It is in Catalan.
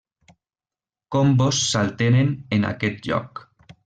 Combos s'alteren en aquest joc.